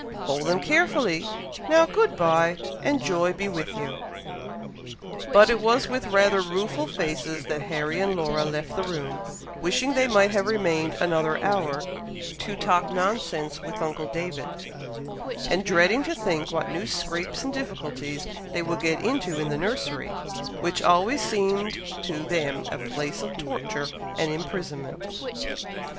Hold them carefully! Now, good bye, and joy be with you." But it was with rather rueful faces that Harry and Laura left the room, wishing they might have remained another hour to talk nonsense with uncle David, and dreading to think what new scrapes and difficulties they would get into in the nursery, which always seemed to them a place of torture and imprisonment.